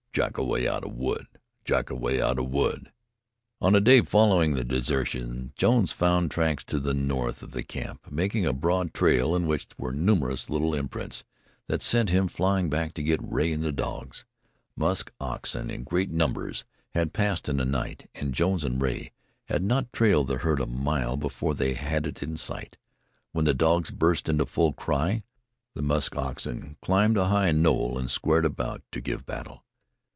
Jackoway out of wood! Jackoway out of wood!" On the day following the desertion, Jones found tracks to the north of the camp, making a broad trail in which were numerous little imprints that sent him flying back to get Rea and the dogs. Musk oxen in great numbers had passed in the night, and Jones and Rea had not trailed the herd a mile before they had it in sight. When the dogs burst into full cry, the musk oxen climbed a high knoll and squared about to give battle.